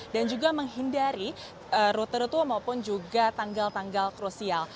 dan juga menghindari rute rute maupun juga tanggal tanggal krusial